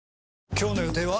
今日の予定は？